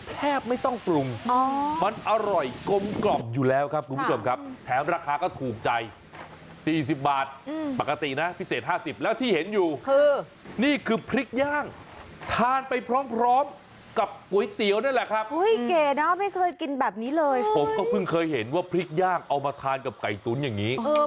แทบไม่ต้องปรุงมันอร่อยกลมกล่อมอยู่แล้วครับคุณผู้ชมครับแถมราคาก็ถูกใจ๔๐บาทปกตินะพิเศษ๕๐แล้วที่เห็นอยู่คือนี่คือพริกย่างทานไปพร้อมพร้อมกับก๋วยเตี๋ยวนั่นแหละครับอุ้ยเก๋เนอะไม่เคยกินแบบนี้เลยผมก็เพิ่งเคยเห็นว่าพริกย่างเอามาทานกับไก่ตุ๋นอย่างนี้